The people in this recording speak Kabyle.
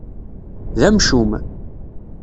D amcum.